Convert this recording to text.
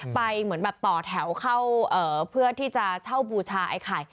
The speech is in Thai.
ไปต่อแถวเข้าเพื่อช่าวบูชาไอ้ไข่